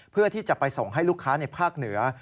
เพื่อที่จะไปส่งให้ลูกค้าในภาคเหนือ